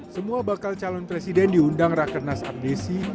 semua bakal calon presiden diundang rakernas abdesi